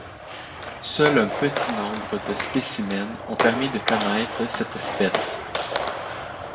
Seul un petit nombre de spécimens ont permis de connaître cette espèce.